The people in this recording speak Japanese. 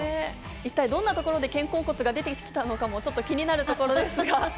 一体どんなところで肩甲骨が出てきたのかも気になるところです。